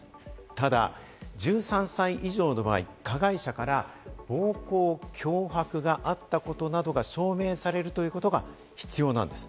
ただ１３歳以上の場合、加害者から暴行・脅迫があったことが証明されるということが必要なんです。